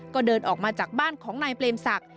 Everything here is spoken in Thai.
ก็เดินออกมาจากบ้านของในเปลมสัก